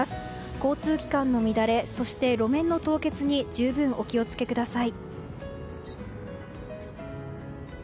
交通機関の乱れ、路面の凍結に十分お気を付けください。